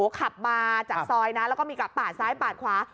ขับมาจากซอยนะแล้วก็มีกลับปาดซ้ายปาดขวา